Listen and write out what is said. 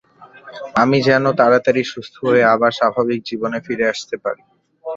আমি যেন তাড়াতাড়ি সুস্থ হয়ে আবার স্বাভাবিক জীবনে ফিরে আসতে পারি।